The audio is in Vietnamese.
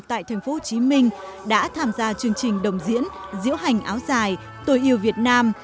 tại tp hcm đã tham gia chương trình đồng diễn diễu hành áo dài tôi yêu việt nam